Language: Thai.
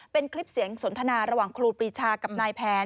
เป็นคลิปเสียงสนทนาระหว่างครูปรีชากับนายแผน